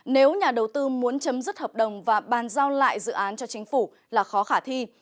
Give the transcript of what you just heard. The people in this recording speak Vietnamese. nếu nhà đầu tư muốn chấm dứt hợp đồng và bàn giao lại dự án cho chính phủ là khó khả thi